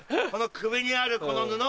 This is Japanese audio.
首にあるこの布。